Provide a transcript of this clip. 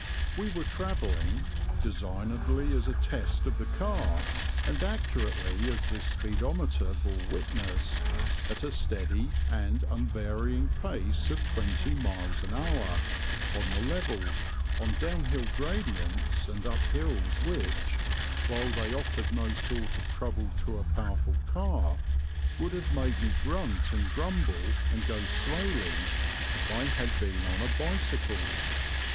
We were travelling, designedly as a test of the car, and accurately as the speedometer bore witness, at a steady and unvarying pace of twenty miles an hour, on the level, on downward gradients, and up hills which, while they offered no sort of trouble to a powerful car, would have made me grunt and grumble and go slowly if I had been on a bicycle.